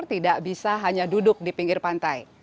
tidak bisa hanya duduk di pinggir pantai